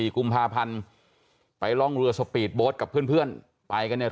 กุมภาพันธ์ไปร่องเรือสปีดโบ๊ทกับเพื่อนไปกันเนี่ย